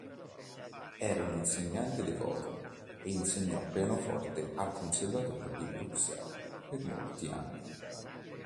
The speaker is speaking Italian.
Era un insegnante devoto e insegnò pianoforte al Conservatorio di Bruxelles per molti anni.